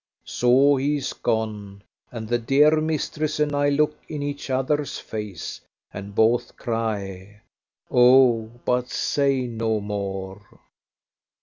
So he is gone, and the dear mistress and I look in each other's face, and both cry "Oh!" but say no more.